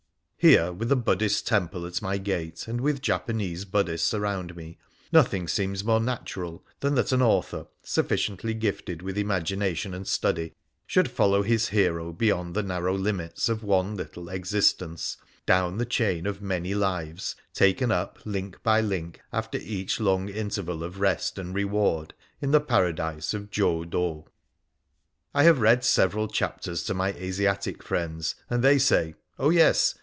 Here, 'with a Buddhist temple at my gate, and with Japanese Buddhists around me, nothing seems more natural than that an author, sufficiently gifted with imagination and study, should follow his hero beyond the narrow limits of one little existence, down the chain of many lives, taken up link by link, after each long interval of rest and reward in the Paradise of J6 D6. I have read several chapters to my Asiatic friends, and they say, ' Oh, yes